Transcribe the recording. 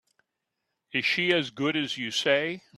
Is she as good as you say?